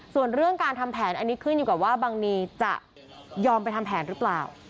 ส่วนเรื่องการทำแผนอันนี้ขึ้นอยู่กับว่าบังนีจะยอมไปทำแผนหรือเปล่า